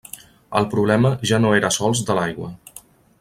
El problema ja no era sols de l’aigua.